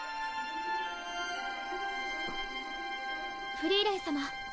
フリーレン様。